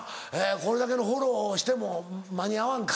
これだけのフォローしても間に合わんか。